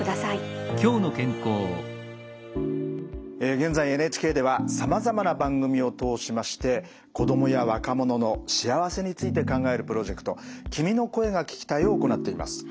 現在ＮＨＫではさまざまな番組を通しまして子供や若者の幸せについて考えるプロジェクト「君の声が聴きたい」を行っています。